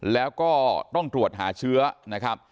แล้วก็ต้องตรวจหาเชื้อนะครับ